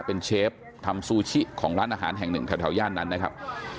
เป็นเชฟทำซูชิของร้านอาหารแห่งหนึ่งแถวย่านนั้นนะครับ